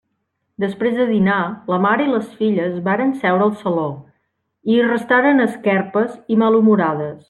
Després de dinar, la mare i les filles varen seure al saló, i hi restaren esquerpes i malhumorades.